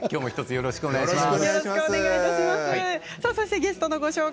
よろしくお願いします。